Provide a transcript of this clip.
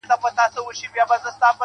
ليونى نه يم ليونى به سمه ستـا له لاســـه.